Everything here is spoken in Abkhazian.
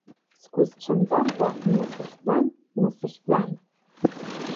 Сгәысҽанӡамкәа днасыхьӡан, Днасыхьӡан!